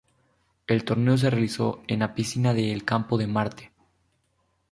El torneo se realizó en las Piscina de del Campo de Marte.